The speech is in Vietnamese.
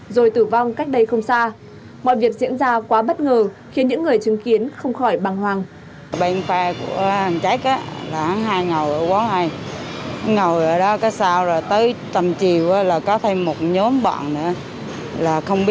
rồi tử vong cách đây không xa mọi việc diễn ra quá bất ngờ khiến những người chứng kiến không khỏi bằng hoàng